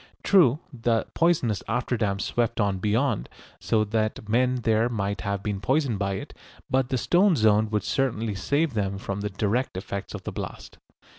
True, the poisonous after damp swept on beyond, so that men there might have been poisoned by it, but the stone zone would certainly save them from the direct effects of the blast.